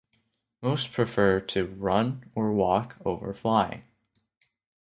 Most prefer to run or walk over flying.